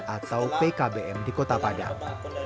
atau pkbm di kota padang